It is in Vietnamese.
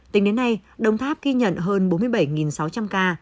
tính đến nay đồng tháp ghi nhận hơn bốn mươi bảy sáu trăm linh ca